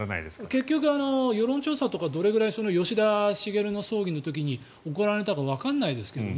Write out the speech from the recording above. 結局、世論調査とか吉田茂の葬儀の時に行われたかわからないですけど。